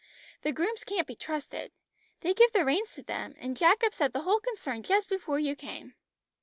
The grooms can't be trusted. They give the reins to them, and Jack upset the whole concern just before you came."